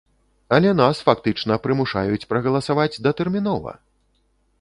Але нас фактычна прымушаюць прагаласаваць датэрмінова!